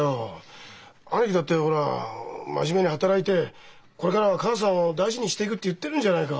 兄貴だってほら真面目に働いてこれからは母さんを大事にしていくって言ってるんじゃないか。